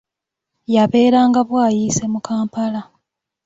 Yabeeranga Bwayise mu Kampala.